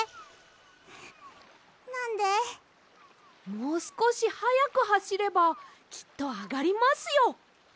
もうすこしはやくはしればきっとあがりますよ。